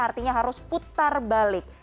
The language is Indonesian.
artinya harus putar balik